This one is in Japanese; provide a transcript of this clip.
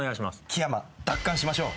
木山奪還しましょう。